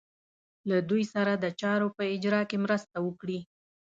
له دوی سره د چارو په اجرا کې مرسته وکړي.